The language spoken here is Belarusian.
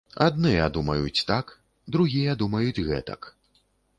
Адныя думаюць так, другія думаюць гэтак.